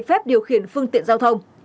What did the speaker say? phép điều khiển phương tiện giao thông